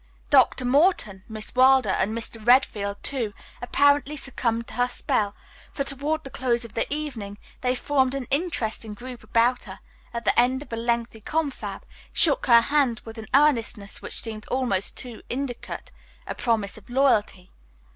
Dr. Morton, Miss Wilder and Mr. Redfield, too, apparently succumbed to her spell, for toward the close of the evening they formed an interesting group about her, and, at the end of a lengthy confab, shook her hand with an earnestness which seemed almost to indicate a promise of loyalty.